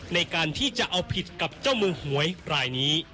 ในการที่จะเอาผิดกับเจ้ามือหวยรายนี้